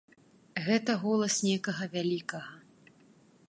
Гэта голас некага вялікага.